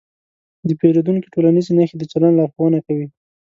د پیریدونکي ټولنیزې نښې د چلند لارښوونه کوي.